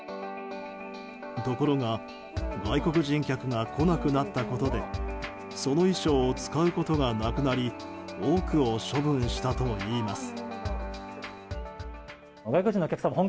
ところが外国人客が来なくなったことでその衣装を使うことがなくなり多くを処分したといいます。